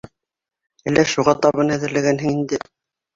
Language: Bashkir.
Әллә шуға табын әҙерләгәнһең инде.